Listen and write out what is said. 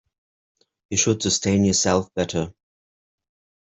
You should sustain yourself better.